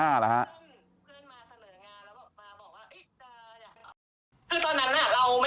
จะตอบให้เขาชื่นชมผลงานนะคะ